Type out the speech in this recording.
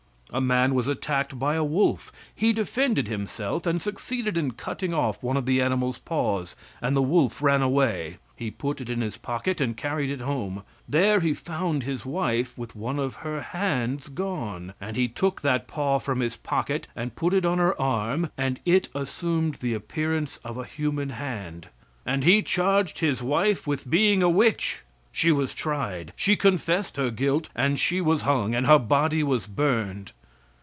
A man was attacked by a wolf; he defended himself and succeeded in cutting off one of the animal's paws, and the wolf ran away; he put it in his pocket and carried it home; there he found his wife with one of her hands gone, and he took that paw from his pocket and put it upon her arm, and it assumed the appearance of a human hand, and he charged his wife with being a witch. She was tried, she confessed her guilt, and she was hung and her body was burned!